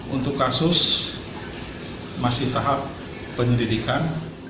untuk kasus masih tahap penyelidikan